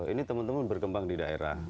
ini teman teman berkembang di daerah